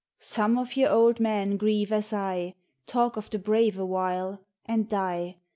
" Some of your old men grieve as I Talk of the brave awhile — and die